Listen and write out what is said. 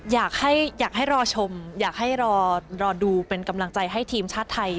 อยากให้รอชมอยากให้รอดูเป็นกำลังใจให้ทีมชาติไทย